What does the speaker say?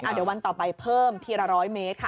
เดี๋ยววันต่อไปเพิ่มทีละ๑๐๐เมตรค่ะ